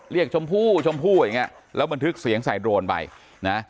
ชมพู่ชมพู่อย่างเงี้ยแล้วบันทึกเสียงใส่โดรนไปนะ